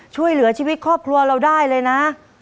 ช่วยเหลือชีวิตครอบครัวเราได้เลยนะ